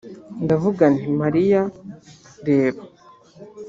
ndavuga nti mariya, reba.